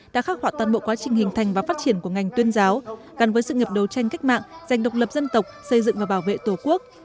đã khắc họa toàn bộ quá trình hình thành và phát triển của ngành tuyên giáo gắn với sự nghiệp đấu tranh cách mạng giành độc lập dân tộc xây dựng và bảo vệ tổ quốc